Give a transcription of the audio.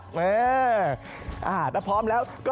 ถ้าพร้อมแล้วนะครับ